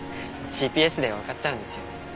ＧＰＳでわかっちゃうんですよね。